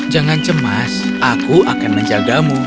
jangan cemas aku akan menjagamu